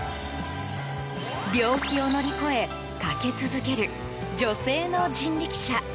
病気を乗り越え駆け続ける女性の人力車。